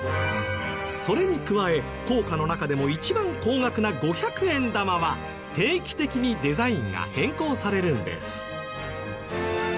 それに加え硬貨の中でも一番高額な５００円玉は定期的にデザインが変更されるんです。